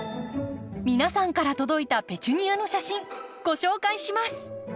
皆さんから届いたペチュニアの写真ご紹介します！